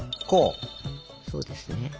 こうですね。